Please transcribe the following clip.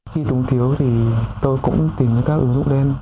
khi túng thiếu thì tôi cũng tìm ra các ứng dụng đen